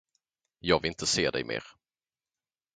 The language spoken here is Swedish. Jag vill inte se dig mer.